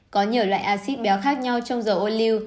có nhiều loại acid béo khác nhau trong dầu ô lưu